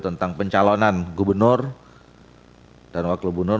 tentang pencalonan gubernur dan wakil gubernur